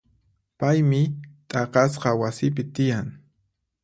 Paymi t'aqasqa wasipi tiyan.